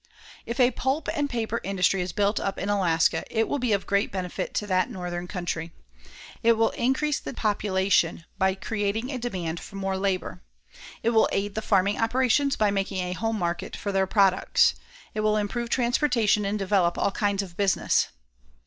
If a pulp and paper industry is built up in Alaska, it will be of great benefit to that northern country. It will increase the population by creating a demand for more labor. It will aid the farming operations by making a home market for their products. It will improve transportation and develop all kinds of business.